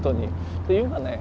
っていうかね